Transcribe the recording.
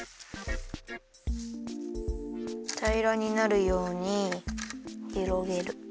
たいらになるようにひろげる。